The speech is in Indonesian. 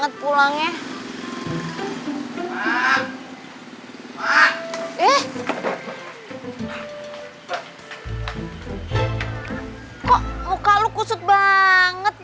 tenggak ada banget